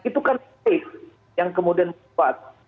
itu kan take yang kemudian membuat